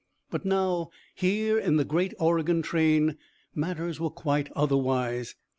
But now, here in the great Oregon train, matters were quite otherwise.